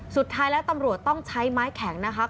สุดท้ายแล้วตำรวจต้องใช้ไม้แข็งนะคะ